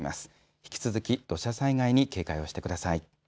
引き続き土砂災害に警戒をしてください。